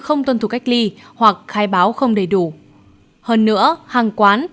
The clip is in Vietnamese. không tuân thủ cách ly hoặc khai báo không đầy đủ hơn nữa hàng quán